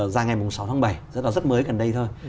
ra ngày sáu tháng bảy rất là rất mới gần đây thôi